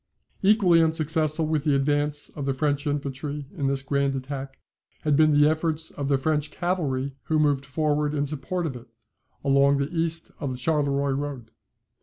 Equally unsuccessful with the advance of the French infantry in this grand attack, had been the efforts of the French cavalry who moved forward in support of it, along the east of the Charleroi road.